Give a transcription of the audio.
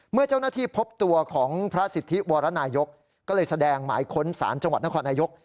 เมื่อเจ้าหน้าที่พบตัวของพระสิทธิวรนายกก็เลยแสดงหมายค้นศาลจังหวัดนครนายก